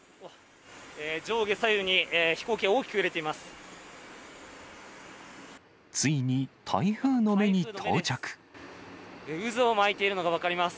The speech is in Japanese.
上下左右に飛行機が大きく揺れています。